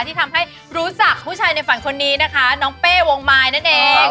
ที่ทำให้รู้จักผู้ชายในฝันคนนี้นะคะน้องเป้วงมายนั่นเอง